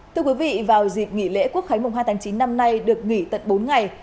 thưa quý vị vào dịp nghỉ lễ quốc khánh mùng hai tháng chín năm nay được nghỉ tận bốn ngày